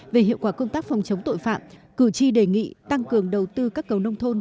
về hiệu quả công tác phòng chống tội phạm cử tri đề nghị tăng cường đầu tư các cầu nông thôn